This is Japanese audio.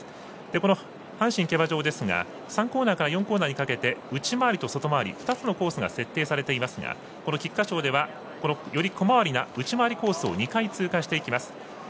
この阪神競馬場ですが３コーナーから４コーナーにかけて内回りと外回りの２つのコースが設定されていますが菊花賞では小回りの内回りコースを２周していきます。